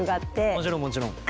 もちろんもちろん。